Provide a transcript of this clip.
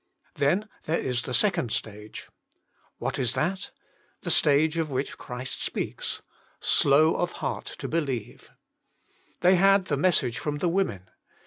Then there is the second stage. What is that? The stage of which Christ speaks: " Slow Of beatt to believe/' They had the message from the women.